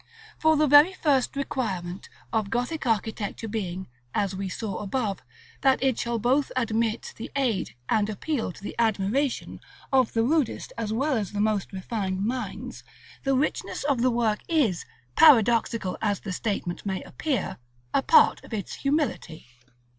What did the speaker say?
For the very first requirement of Gothic architecture being, as we saw above, that it shall both admit the aid, and appeal to the admiration, of the rudest as well as the most refined minds, the richness of the work is, paradoxical as the statement may appear, a part of its humility.